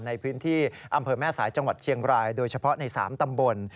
ในพื้นที่อำเภอแม่สายจังหวัดเชียงรายโดยเฉพาะใน๓ตำบล